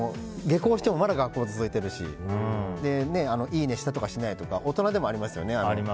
下校してもまだ学校が続いているしいいねしたとか、してないとか大人でもありますよね。